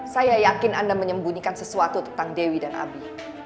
saya yakin anda menyembunyikan sesuatu tentang dewi dan abi